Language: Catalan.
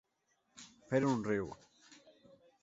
Fer un riu.